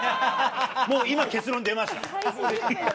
もう今、結論出ました。